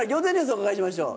お伺いしましょう。